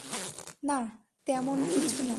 না, তেমন কিছু না।